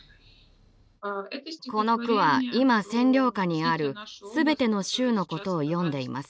この句は今占領下にあるすべての州のことを詠んでいます。